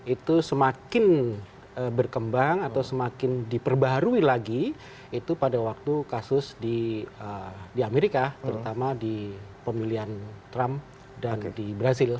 itu semakin berkembang atau semakin diperbaharui lagi itu pada waktu kasus di amerika terutama di pemilihan trump dan di brazil